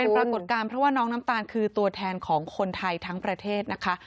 ปรากฏการณ์เพราะว่าน้องน้ำตาลคือตัวแทนของคนไทยทั้งประเทศนะคะ